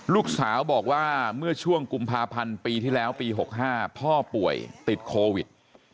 ลูกสาวบอกว่าเมื่อช่วงกุมภาพันธ์ปีที่แล้วปี๖๕พ่อป่วยติดโควิด